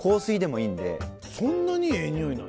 そんなにええ匂いなの？